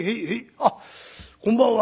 あっこんばんは。